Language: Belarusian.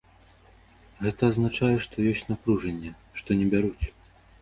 Гэта азначае, што ёсць напружанне, што не бяруць.